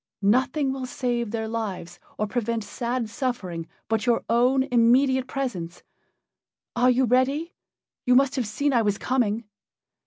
Nothing will save their lives or prevent sad suffering but your own immediate presence. Are you ready? You must have seen I was coming."